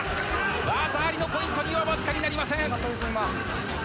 技ありのポイントにはわずかになりません。